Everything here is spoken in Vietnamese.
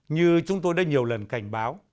như chúng tôi đã nhiều lần cảnh báo